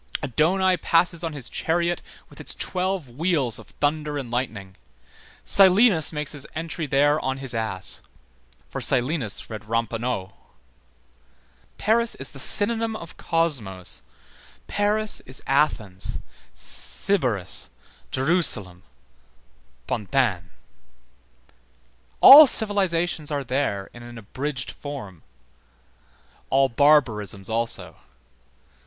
Adonaï passes on his chariot with its twelve wheels of thunder and lightning; Silenus makes his entry there on his ass. For Silenus read Ramponneau. Paris is the synonym of Cosmos, Paris is Athens, Sybaris, Jerusalem, Pantin. All civilizations are there in an abridged form, all barbarisms also.